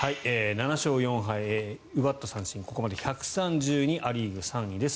７勝４敗奪った三振、ここまで１３２ア・リーグ３位です。